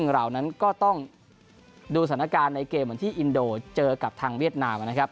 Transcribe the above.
เรานั้นก็ต้องดูสถานการณ์ในเกมเหมือนที่อินโดเจอกับทางเวียดนามนะครับ